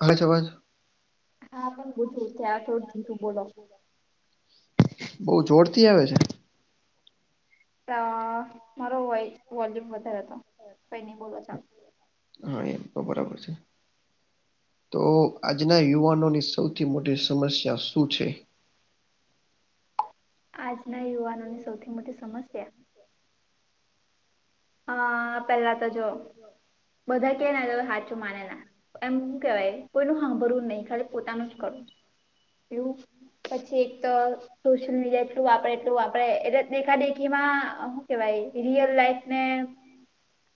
આને જવા દો હા પણ બધું આ કઈક જૂઠું બોલે છે બઉ જોર થી આવે છે. અહ મારો વોય વોલ્યુમ વધારે હતો કંઈ નહી બોલો ચાલો. હા, એમ તો બરાબર છે. તો આજના યુવાનોની સૌથી મોટી સમસ્યા શું છે? આજના યુવાનોની સૌથી મોટી સમસ્યા? અહ પેલા તો જો બધા કે ના હાચું માને ના. એમું કેવાય કોઈનું હાભરવું નહી ખાલી પોતાનું જ કરું એવું પછી એક તો સોશિયલ મીડિયા એટલું આપે એટલું આપે એટલે દેખાદેખીમાં હું કેવાય રિયલ લાઈફ ને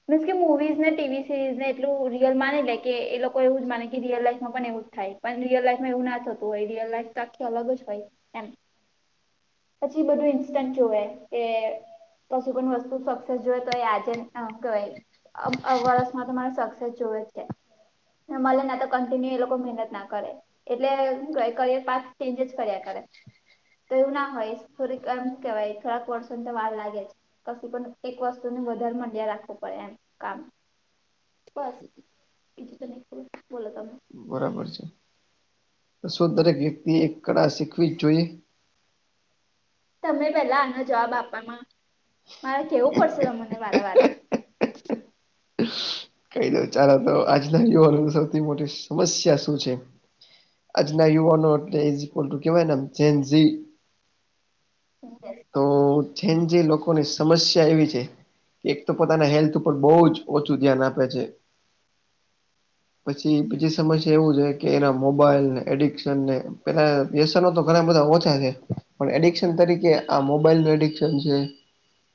મીન્સ કે મુવીઝ ને ટી વી સિરીઝ ને એટલું રિયલ માની કે એ લોકો એવું જ માને કે રિયલ લાઈફમાં પણ એવું થાય પણ રિયલ લાઈફમાં એવું ના થતું હોય રિયલ લાઈફ તો આખી અલગ જ હોએ એમ. પછી બધું ઈન્સ્ટન્ટ જોવે કે પછી પણ વસ્તુ સ સેસ જોય તોય આજે કય આમ વર્ષમાં તમારે સક્સેસ જોવે છે. મલેને તો કન્ટિન્યુ એ લોકો મહેનત ના કરે. એટલે કરિયર પાક ચેન્જ જ કર્યા કરે. તો એવું ના હોય થોડીક એમ કેવાય થોડાક વર્ષોની તોર વાળ લાગે જ કશું પણ એક વસ્તુને વધારે મમાંડ્યા રાખવું પડે એમ કામ. [inaudible] બરાબર છે. તો શું દરેક વ્યક્તિ એક કળા શીખવી જ જોઈએ તમે પેલા આનો જવાબ આપવામાં મારે કેવું પડશે તમને વારે વારે. ઈશ. કહી દઉ ચાલ તો આજના યુવાનો સૌથી મોટી સમસ્યા શું છે. આજના યુવાનો એટલે ઇઝ ઇક્વલ ટુ કહેવાય એમ જેન ઝી હું કરે. તો જેન જી લોકોની સમસ્યા એવી છે એક તો પોતાના હેલ્થ ઉપર બહુ જ ઓછું ધ્યાન આપે છે. પછી બીજી સમસ્યા એવું છે કે એના મોબાઈલને એડિકશનને પેલા વ્યસનો તો ઘણા બધા ઓછા છે પણ એડિક્શન તરીકે આ મોબાઈલ ને એડિકશન છે.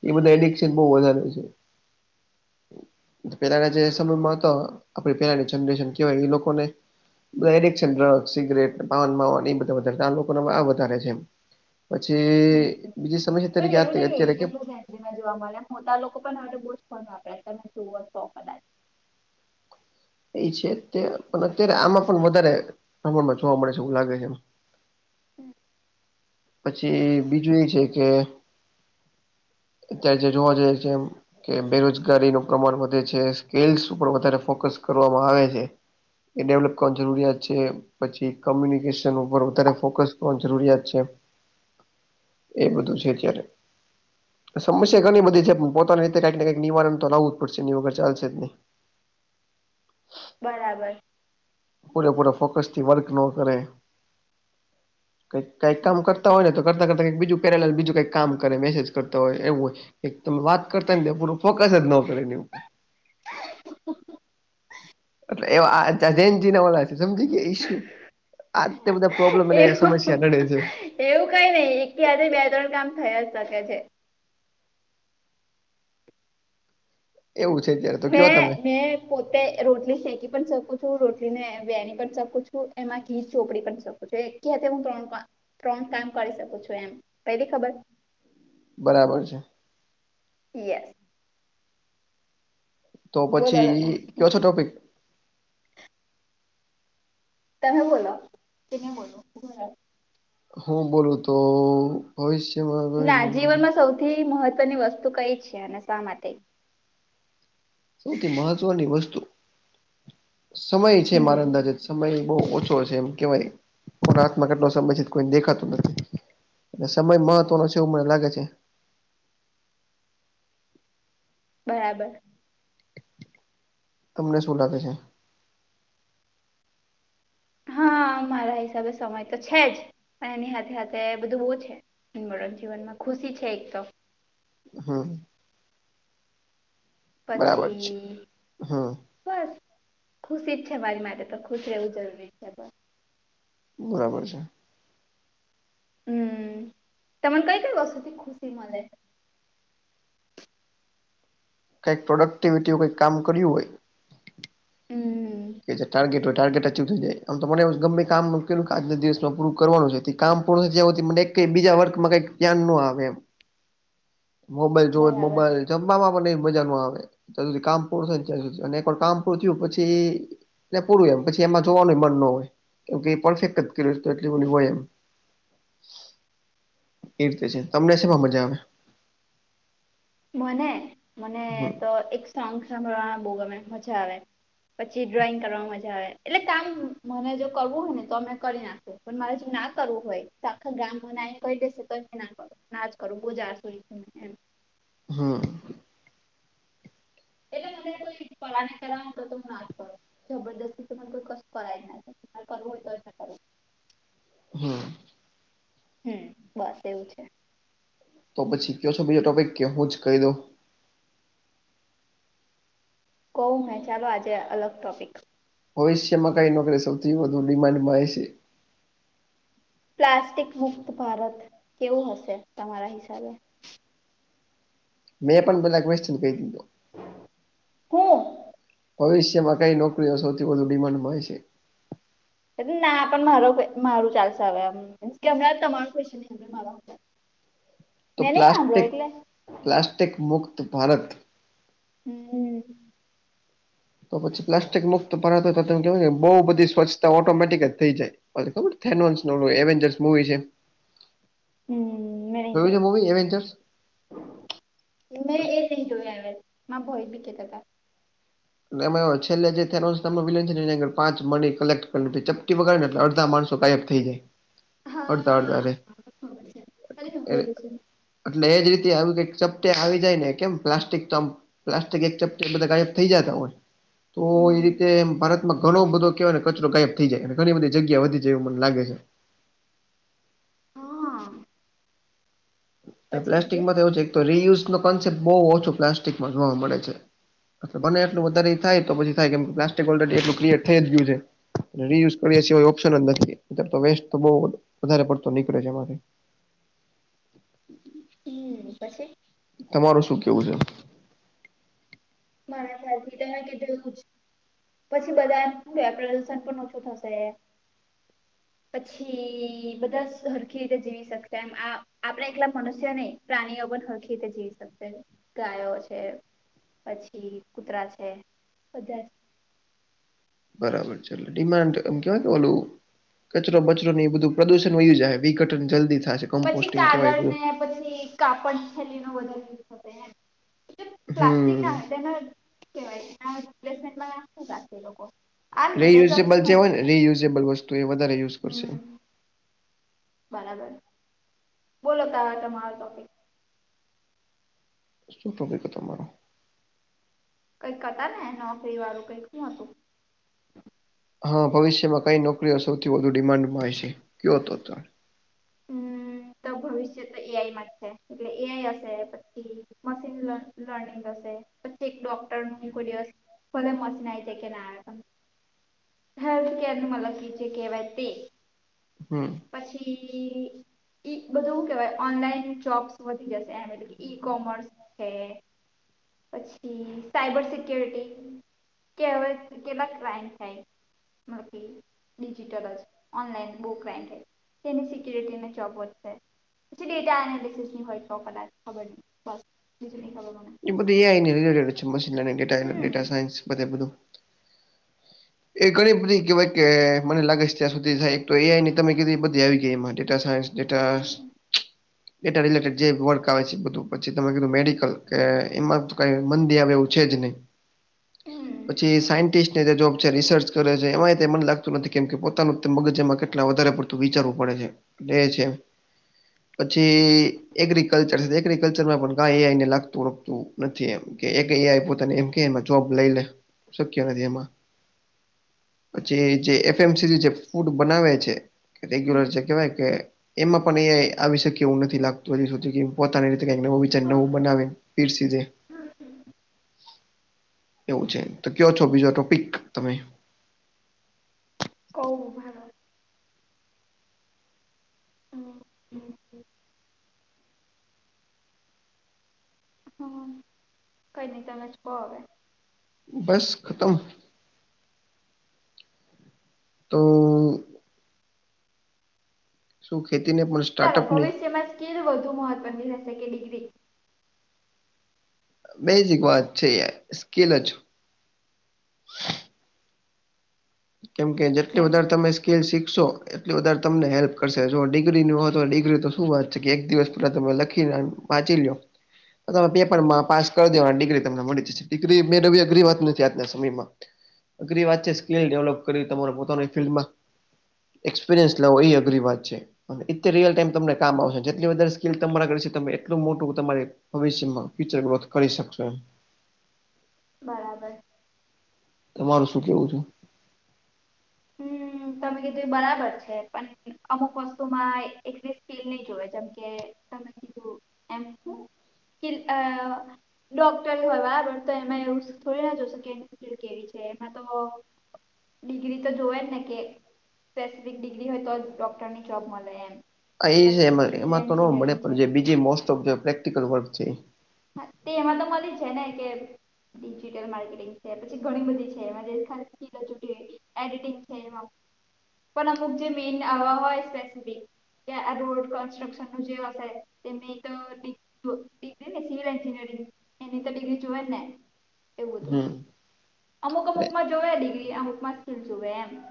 એ બધા એડિકશન બહ વધારે છે. પેલા ના જે સમયમાં તો આપડી પહેલાની જનરેશન કવાય એ લોકોને રેડેકશન ડ્રગ્સ સિગરેટ પાવન માવન એ બધા વધારે આ લોકોને આ વધારે છે એમ. પછી હમ બીજી સમસ્યા તરીકે યા અત્યારે કે જેમાં જોવા મળે હું ત આ લોકો પણ હવે બોજ પણન વાપરા તમે જોઓના. એ છે પણ અત્યારે આમાં પણ વધારે પ્રમાણમાં જોવા મળે છે એવું લાગે છે. હમ્મ. પછી બીજું એ છે કે અત્યારે જે જોવા જઈએ છે એમ કે બેરોજગારીનું પ્રમાણ વધે છે સ્કેલ્સ ઉપર વધારે ફોકસ કરવામાં આવે છે. એ ડેવલપ કરનું જરૂરિયાત છે. પછી કોમ્યુનિકેશન ઉપર વધારે ફોકસ કરવા જરૂરિયાત છે. એ બધું છે અત્યારે. સમસ્યા ઘણી બધી છે પણ પોતાની રીતે કંઈકને કંઈક નિવારણ તો લાવવું પડશે એની વગર ચાલશે જ નહી. બરાબર. પૂરેપૂરા ફોકસ થી વર્ક ન કરે. કઈ કઈ કામ કરતા હોય ને તો કરતા કરતા ક બીજું પેલાલ બીજું કઈ કામ કરે મેસેજ કરતા હોય એવું હોય એક તમે વાત કરતા ને પૂરું ફોકસ જ ને એની ઉપર એટલે એ જયંતજી ના વાળા છે સમજી ગય ઈશુ આ બધા પ્રોબ્લેમ અને એવું સમસ્યા ઘડે છે એવું કઈ નહી એક કે આજે બે ત્રણ કામ થયા જ શકે છે એવું છે જ્યારે મે મે પોતે રોટલી ફેંકી પણ શકું છું રોટલી ને વેણી પણ શકું છું એમાં ઘી ચોપડી પણ શકુ એક કથે હું ત્રણ ત્રણ કામ કરી શકું છું એમ પેલી ખબર બરાબર છે યેસ તો બોલો પછી કયો છો ટોપિક તમે બોલો તે બોલો હું બોલું તો ભવિષ્યમાં તે મહત્વની વસ્તુ કઈ છે અને શા માટે સૌથી મહત્વની વસ્તુ સમય છે મારા હમ અંદાજ જ સમય બહુ ઓછો છે એમ કેવાય કો હાતમાં કેટલો સમય છે કોઈ દેખાતું નથી એ સમય મહત્વનો છે એવું મને લાગે છે બરાબર તમને શું લાગે છે હા મારા હિસાબે સમય તો છે જ પણ એની હાથે હાથે બધું બહુ છે મ મરજીવનમાં ખુશી છે એક તો હા બરાબર છે પછી હમ બસ ખુશી જ છે મારી માટે તો ખુશ રહેવું જરૂરી જ છે બસ બરાબર છે હમ્મ તમેને કઈ કઈ વસ્તુ થી ખુશી મડે કંઈક પ્રોડક્ટિવિટી હો કંઈક કામ કર્યું હોય હમ્મ કે જે ટાર્ગેટ હોય ટારગે અચીવ થઈ જાયમને ગમે કામ કે આજના દિવસમાં પરું કરવાનું છે કામ પૂરું થ જવું મનેઈ બીજા વર્ગ માં કઈક ધ્યાન ન આવે એમ મોબાઈલ જોઓ જ બરાબર મોબાઈલ જમવામાં પણ ન મજા ન આવે જ્યાં સુધી કામ પૂરું થાય ને ત્યાં સુધી એક વાર કામ પૂરું થયું પછી એટલે પૂરું એમ પછી એમાં જોવાનુંય મન ન હોય કેમ એ પણફેક્ટ જ કર તો એટલી બધી હોય એમ એ રીતે છે તમને શમાં મજા આવે મને મને હમ તો એક સોંગ સાંભળવા બહુ ગમે મજા આવે પછી ડ્રોઈંગ કરવા મજા આવે એટલે કામ મને જો કરવું હોય ને તો અમે કરી નાખી પણ મારે જો ના કરવું હોય આખા ગામમાં ના એ કઈ દેશે ક ના કર ના કરો બહુજારશોને એમ હમ્મ એટલે મને કોઈ ફળાની કરાવું તો ત હું ના કર જબરદસ્તી ત કોઈ કસ કરાય ના કર હોય તો ના કરું હ હમ્મ બસ એવું છે તો પછી કયો છે બીજો ટોપીક કેવું હૂ જ કહી દઉ કવ મેં ચાલો આજે અલગ ટોપિક. ભવિષ્યમાં કઈ નોકરી સૌથી વધુ ડિમાન્ડમા છે? પ્લાસ્ટિક મુક્ત ભારત, કેવું હશે તમારા હિસાબે? મેં પણ બધલા કું હું? ભવિષ્યમાં કંઈ નોકરીઓ સૌથી વધુ ડિમાન્ડ મળ છે? ના પણ મારો મારું ચાલશે આવે આમન્સ કે હમણાં તમા કન ન મા તો પ્લાસ્ટિક પ્લાસ્ટિક મુક્ત ભારત. હમ. તો પછી પ્લાસ્ટિક મુક્ત પરાતો તો કેવાય ને બહુ બધી સ્વચ્છતા ઓટોમેટિક જ થઈ જાય. ખબર થનોન્સ નો એવેન્જરસ મુવી છે. હમ મે નહીં છે જોયું. મૂવી એવેન્જર્સ મેં એ ન જોય આવ્યા ભોય બી કેતા હતા. લ્ જે વિલન છે ની પાંચ મ કલેક્ટ કર ચપટી વગર એલે અડધા માણસ તો કાયબ થઈ જાય, હતા અડતા અડતા હા અરે ખબર છે ખાલી સાંભળેલું છે એટલે એજ રીતે આવ કે ચપટે આવી જાય ને કેમ પ્લાસ્ટિક ચપ પ્લાસ્ટિક એક ચપ બધા ગાયબ થઈ જતા હોય, તો હમ તે ભારતમાં ઘણો બધો કહેવાય કચરો ગાયબ થઈ જાય અને ઘણી બધી જગ્યા વધી જાય એવું મને લાગે છે. હા. પછી બીજું પ્લાસ્ટિકમાં તોવ છે રીયુઝ ન કોન્સેપ બહુ ઓછો પ્લાસ્ટિકમાં જોવા મળે છે. બને એટલું વધારે થાય તો પછી થાય કે પ્લાસ્ટિક ઓલરેડી એટલું ક્રિએટ થઈ જ ગયું છે. રીયુઝ કરીએ છીએ ઓપ્શન જ નથી તો વેસ્ટ તો બહ વધારે પડતો નીકળે છે એમાંથી. હમ. હમ પછી? તમારું શું કેવું છે? મારા ખથી તમે કધું. પછી બધા પ્રદર્શન પણ ઓછું થશે. હ [inaudible] પછી બધા સરખી રીતે જીવી શકશે એમ આ આપણે એકલા મનુષ્યો નને. પ્રાણીઓ પણ હખી રીતે જીવી શકશે, ગાયો છે. પછી કૂતરા છે, બધા. બરાબર ચાલ ડિમાન્ડ એમ કેવાય કે ઓલું કચરો બચરો એ બધું પ્રદુષણ વય્યું જ વિઘટન જલ્દી થાય. પછી કાગળ ને પછી કાપડ છેલ્લી ન બલ પ્લાસ્ટિક હમ્મ ના હોય તેના કેવાયમે એ લોકો. આજ ને બે જ રિયુઝેબલ ઓપ્શન જે હોય ને રિયુઝેબલ વસ્તુ એ વધારે યુઝ કરશે. હમ બરાબર, બોલો તાર તમારો ટોપિક. શું ટોપિક તમારો? કઈક હતા ને નોકરી વાળું કઈક શું હતું. હા ભવિષ્યમાં કઈ નોકરીઓ સૌથી વધુ ડિમાન્ડમાંય છે? કયો હતો. હમ. તો ભવિષ્ય તો એ આઈ માં જ છે એટલે એ આઈ હશે પછી મશીન લર્નિંગ હશે. પછી એક ડોક્ટર ખોલીિવ ભલે મશીન આવી જ કે ના આવે. હેલ્થ કેરનું મતલબ કી જેે કે વતિ હમ. પછી. ઈ બધું હું કહેવાય ઓનલાઈન જોબ્સ વધી જશે એમ એટલે કે ઈ કોમર્સ હૈ. પછી સાયબર સિક્ય્યોરિટી કે હવે કેવા ક્રાયમ થાય. મ થી ડિજિટલઅ જ ઓનલાઈન બુક રઇન્ન્ટે તેની સિક્યુરીટી ને જોબ વધશે. પ ડેટ એનિસિસ ન હોય છે કડા ખબર ન બસીજ [inaudible] નની ખબર મને એ બધુ એઆઈ રટેડ છે, મશીનેટા હમ ડેટા સાયન્સ બધુ એ ઘણી બધી કહેવાય કે મને લાગે છે, ત્યાં સુધી થાય તો એઆઈ ની તમે કીધી. એ બધી આવી ગઈ એમાં ડેટા સાયન્સ ડેટાશ. ડેટા રિલેટેડ જે વર્ક આવે છે, બધું પછી તમે કીધું. મેડિકલ કે એમાં તો કાઈ મંદી આવે એવું છે જ નહી. હમ પછી સાયન્ટિસ્ટ ત્યાં જે જોબ છે રિસર્ચ કરે છે એમાં મને લાગતું નથી, કેમ કે પોતાનું મગજમાં કેટલા વધારે પડતું વિચારવું પડે છે. એ છે એમ. પછી એગ્રીકલ્ચર, એગ્રીકલ્ચરમાં પણ કાય એઆઈ ને લાગતુ થોડુક તું નથી એમ કે એક એઆઈ પોતાને એમ કે જોબ લઈ લે. શક્ય નથી એમાં પછી જે એફ એમસી જે ફૂડ બનાવે છે. કે રેગ્યુલર હમ જે કહેવાય કે એમાં પણ એઆઈ આવી શકે, એવું નથી લાગતું. હજી સુધી કે પોતાની રીતે કે નવું વિચાર, નવું બનાવે પીરસી દે. એવું છે? તો કયો છો બીજો ટોપિક તમે કવુ ઉભા રો. હમ હ કઈ નહી તમે જ કહો હવે બસ, ખતમ. તો શું? ખેતીને પુસ ચાલો. ભવિષ્યમાં સ્કીિલ વધુ મહત્વની રહેશે કે ડિગ્રી? બેઝિક વાત છે. સ્કેલ જ કેમ કે જેટલી કેમ વધારે તમે સ્કીલ શીખશો. એટલી વધારે તમને હેલ્પ કરશે.. જો ડિગ્રીની હોય તો ડિગ્રી તો શું વાત કે એક દિવસ પેલા તમે લખીને વાંચી લ્યો. મે પેપરમાં પાસ કરી દેવા અને ડિગ્રી તમને મળી જ છે. ડિગ્રી મેંળવી અઘરી વાત નથી આજના સમયમાં- અઘરી વાત છે, સ્કીલ ડેવલપ કરીવી તમારે પોતાની ફિલ્ડમાં એક્સપિરિયન્સ લાવવો એ અઘરી વાત છે. અને એતી રિયલ ટાઈમ તમને કામ આવશે. જેટલી વધારે સ્કીલ તમારા કરશે, તમે એટલું મોટું તમારી ભવિષ્યમાં ફ્યુચર ગ્રોથ કરી શકશો એમ. બરાબર. તમારું શું કેવું છે? હ [unintelligible] હમ તમે કીધું એ બરાબર છે પણ અમુક વસ્તુમાં એક એક સ્કીલ નહી જોવે, જેમ કે તમે કીધું એમ હું સ્કીલ અ. ડોક્ટર હોય બરાબર. તો એમાં એવું થોડી ના જોશ કે સ્કીલ કેવી છે, એમાં તો ડિગ્રી તો જોવે ને કે સ્પેસિફિક ડિગ્રી હોય, તો ડોક્ટરની જોબ મળે એમ. આ ઈ ને પછી એમાં સિવિલ એમાં તો નો મળે, એન્જિનિયરિંગ છે પણ બીજી મોસ્ટ ઓફ જે પ્રેક્ટિકલ વર્ક છે. હા, તે એમાં તો મલી જાયને કે ડિજિટલ માર્કેટિંગ છે. પછી ઘણી બધી છે, એમાં દેખાતી એડેટિગ છે એમાં, પણ અમુક જે મેન આવા હોય, સ્પેસફિક કે રોડ કન્સ્ટ્રક્શનનું જેાય તે તો સિવિલ એન્જિનિયરિંગ, એની તો ડિગ્રી જોઈ જ ને એવું હતું હમ અમુક અમુકમાં જોવે ડિગ્રી, અમુકમાં સ્કૂલ જોવે એમ-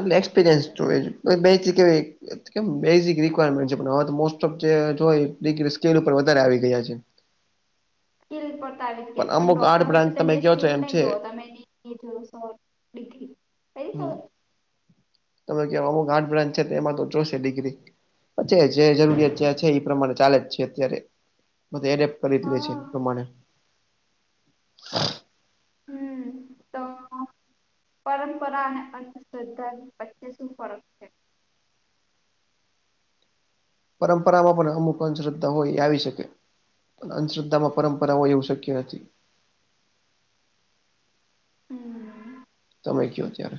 એટલે એક્સપિરિયન્સ જોઈએ. બેથી એક કેમ બેઝિક રિક્વાયરમેન્ટ છે. વેસ્ટ ઓ સ્કેલ ઉપર વધારે આવી ગયા છે. સ્કીિલ પડતા આવી જ ગયા છે પણ અમુક ડોક્ટર આર્ટ હોય, બ્રાન્ચ તો તમે તેને કહો છો સ્કીિલ એમ નહી છે જોઓ તમે એની [unintelligible] હમ. તમે કે અમુક હાર્ડ બ્રાન્ચ છે એમાં તો જોશે ડિગ્રી. પછી જે જરૂરિયાત જે છે એ પ્રમાણે ચાલે જ છે. અત્યારે એને કરી દે છે હા એ પ્રમાણે હમ તો પરંપરા અને અર્ધસરકારી વચ્ચે શું ફરક છે? પરંપરામાં પણ અમુક અંધ્રદ્ધા હોય એ આવી શકે અંધશ્રદ્ધામાં પરંપરા એવું શક્ય નથી. હમ- તમે કો ત્યારે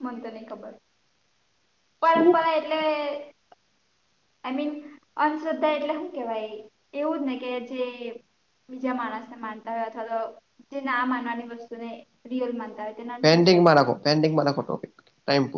મને તો નહી ખબર શું પરંપરા એટલે આઈ મીન અંધશ્રદ્ધા એટલે શું કેવાય એવું જ ને કે જે બીજા માણસ ને માનતા હોય અથવા તો જે ના માનવાની વસ્તુને રિયલ માનતા હોય તેને અંધશ્રદ્ધા પેન્ડિંગમાં કહેવાય. રાખો પેન્ડિંગમાંખો ટોપિક ટાઈમ